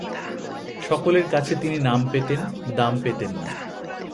সকলের কাছে তিনি নাম পেতেন, দাম পেতেন না।